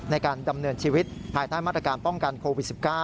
ในการดำเนินชีวิตภายใต้มาตรการป้องกันโควิด๑๙